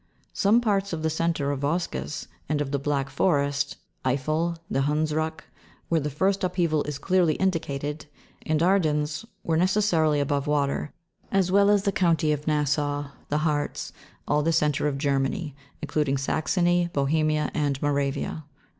Some parts of the 'centre of Vosges, and of the Black Forest, Eiffel, the Hundsruck, where the first upheaval is clearly indicated, and Ardennes, were necessarily above water, as well as the county of Nassau, the Hartz, all the centre of Germany, including Saxony, Bohemia, and Moravia.